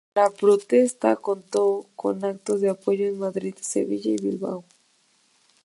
La protesta contó con actos de apoyo en Madrid, Sevilla y Bilbao.